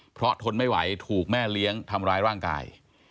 เพราะทนไม่ไหวถูกแม่เลี้ยงทำร้ายร่างกาย